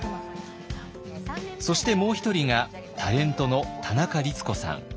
そしてもう一人がタレントの田中律子さん。